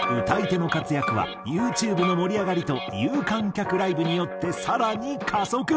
歌い手の活躍はユーチューブの盛り上がりと有観客ライブによって更に加速。